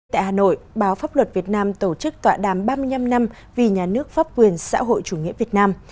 tại hà nội báo pháp luật việt nam tổ chức tọa đàm ba mươi năm năm vì nhà nước pháp quyền xã hội chủ nghĩa việt nam